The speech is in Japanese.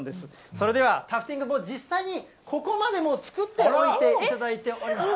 それでは、タフティング、実際にここまでもう、作っておいていただいております。